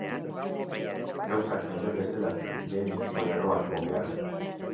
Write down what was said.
Gauzak zeuden bezala, lehenbiziko lerroan egon behar.